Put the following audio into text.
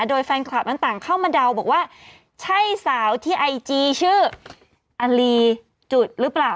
โดยแฟนคลับนั้นต่างเข้ามาเดาบอกว่าใช่สาวที่ไอจีชื่ออลีจุดหรือเปล่า